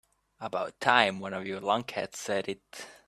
About time one of you lunkheads said it.